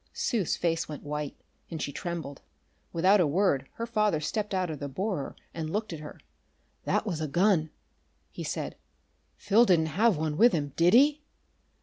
Sue's face went white, and she trembled. Without a word her father stepped out of the borer and looked at her. "That was a gun!" he said. "Phil didn't have one with him, did he?"